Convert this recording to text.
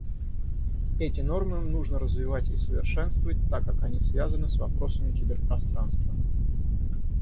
Эти нормы нужно развивать и совершенствовать, так как они связаны с вопросами киберпространства.